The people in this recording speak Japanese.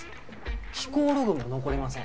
飛行ログも残りません